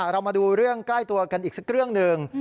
เรามาดูเรื่องใกล้ตัวกันอีกสักเรื่องหนึ่ง